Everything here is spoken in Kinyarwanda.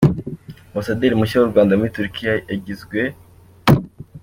Ambasaderi mushya w’u Rwanda muri Turkiya yagizwe Lt.